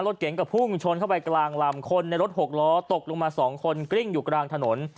รถเก๋งก็พุ่งชนเข้าไปกลางลำคนในรถหกล้อตกลงมาสองคนกริ้งอยู่กลางถนน